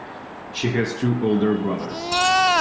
She has two older brothers.